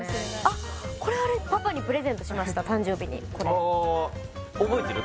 あっこれパパにプレゼントしました誕生日にこれ覚えてる？